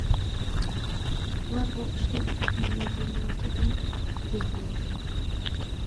ئۇلار بۇ ئىشنى ئۆز مەدەنىيىتىدىن ئۆگەنگەن.